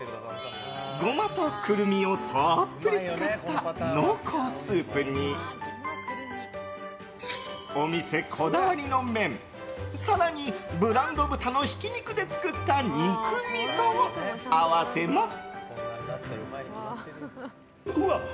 ゴマとクルミをたっぷり使った濃厚スープにお店こだわりの麺更にブランド豚のひき肉で作った肉みそを合わせます。